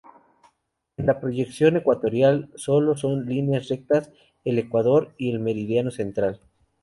En la proyección ecuatorial sólo son líneas rectas el ecuador y el meridiano central.